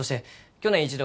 去年一度？